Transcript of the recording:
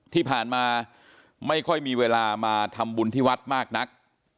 ที่ผ่านมาไม่ค่อยมีเวลามาทำบุญที่วัดมากนัก